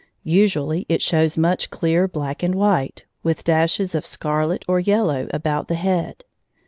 Usually it shows much clear black and white, with dashes of scarlet or yellow about the head.